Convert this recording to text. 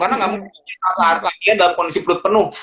karena kamu harus lagi dalam kondisi pelut penuh